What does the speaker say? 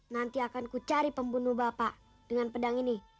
nanti akan kucari pembunuh bapak dengan pedang ini